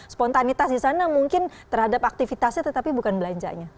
spontanitas di sana mungkin terhadap aktivitasnya tetapi bukan belanjanya